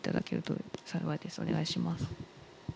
お願いします。